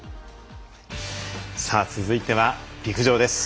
さあ続いては陸上です。